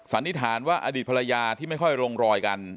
สันนิษฐานว่าอดีตภรรยาที่ไม่ค่อยลงรอยกัน